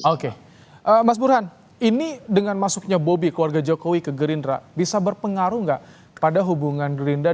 oke mas burhan ini dengan masuknya bobi keluarga jokowi ke gerindra bisa berpengaruh nggak pada hubungan gerindra